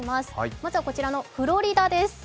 まずはこちら、フロリダです。